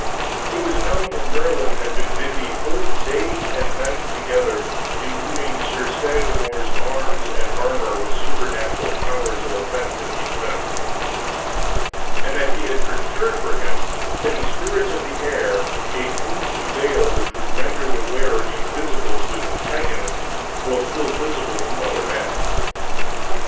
It was known that Merlin had been busy whole days and nights together, imbuing Sir Sagramor's arms and armor with supernal powers of offense and defense, and that he had procured for him from the spirits of the air a fleecy veil which would render the wearer invisible to his antagonist while still visible to other men.